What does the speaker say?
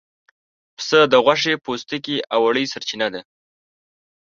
پسه د غوښې، پوستکي او وړۍ سرچینه ده.